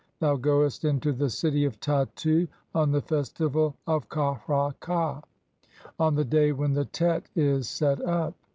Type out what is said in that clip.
Thou goest "into the city of Tattu on the festival of Ka hra ka, "on the day when the Tet is set up.